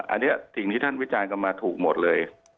อันนี้สิ่งที่ท่านวิจารณ์กันมาถูกหมดเลย